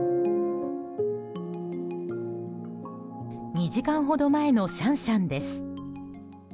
２時間ほど前のシャンシャンです。